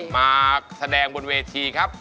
มาแสดงบนเวทีครับ